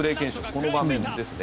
この場面ですね。